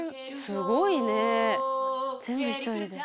すごいねえ全部１人で。